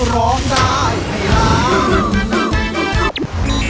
ร้องได้ให้ล้าน